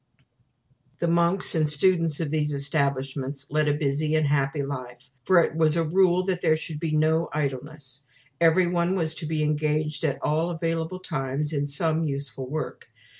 The monks and students in these establishments led a busy and happy life; for it was a rule that there should be no idleness. Everyone was to be engaged at all available times in some useful work.